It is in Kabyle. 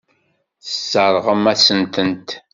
Tesseṛɣem-asent-tent.